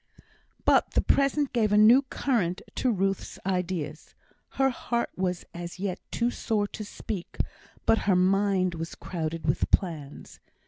But the present gave a new current to Ruth's ideas. Her heart was as yet too sore to speak, but her mind was crowded with plans.